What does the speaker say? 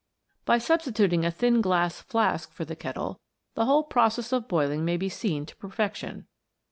By substituting a thin glass flask for the kettle, the whole process of boiling may be seen to perfection.